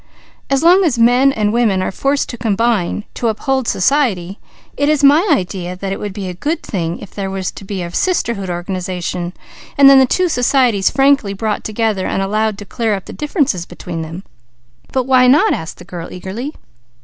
As long as men and women are forced to combine, to uphold society, it is my idea that it would be a good thing if there were to be a Sisterhood organized; then the two societies frankly brought together and allowed to clear up the differences between them." "But why not?" asked the girl eagerly.